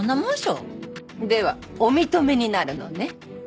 ではお認めになるのね？